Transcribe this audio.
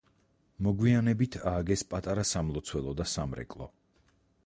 მოგვიანებით ააგეს პატარა სამლოცველო და სამრეკლო.